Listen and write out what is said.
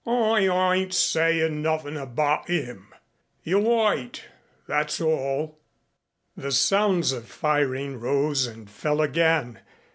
"I ayn't sayin' nothin' abaht 'im. You wait, that's all." The sounds of firing rose and fell again.